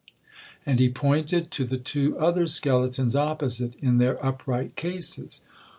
And he pointed to the two other skeletons opposite, in their upright cases.